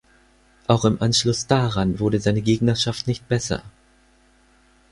Auch im Anschluss daran wurde seine Gegnerschaft nicht besser.